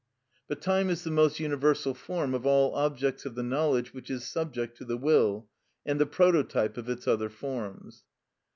But time is the most universal form of all objects of the knowledge which is subject to the will, and the prototype of its other forms.